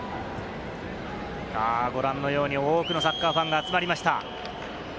ご覧のように多くのサッカーファンが集まりました。